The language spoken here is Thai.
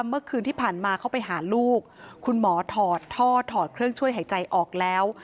เมื่อคืนที่ผ่านมาเขาไปหาลูกคุณหมอถอดท่อถอดเครื่องช่วยหายใจออกแล้ว